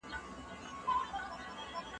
د نفوس ډېرښت ستونزې زېږوي.